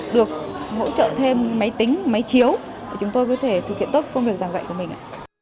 được hỗ trợ thêm máy tính máy chiếu để chúng tôi có thể thực hiện tốt công việc giảng dạy của mình